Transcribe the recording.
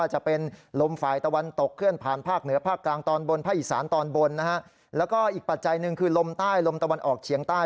หนึ่งคือลมใต้ลมตะวันออกเฉียงใต้